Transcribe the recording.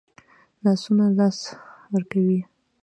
لاسونه لاس ورکوي